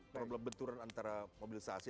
problem benturan antara mobilisasi